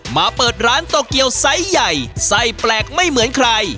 มาเปิดร้านโตเกียวไซส์ใหญ่ไส้แปลกไม่เหมือนใคร